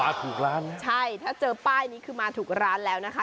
ถูกร้านใช่ถ้าเจอป้ายนี้คือมาถูกร้านแล้วนะคะ